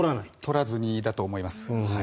取らずにだと思います。